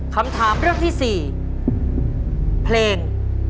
คำถามเรื่องที่๔เพลง